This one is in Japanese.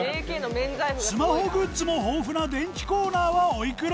スマホグッズも豊富な電気コーナーはおいくら？